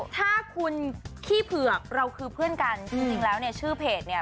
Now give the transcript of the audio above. ถ้าคุณขี้เผือกเราคือเพื่อนกันจริงแล้วเนี่ยชื่อเพจเนี่ย